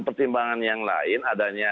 pertimbangan yang lain adanya